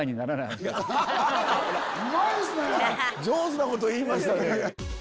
上手なこと言いましたね。